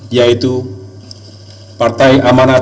yaitu partai amanat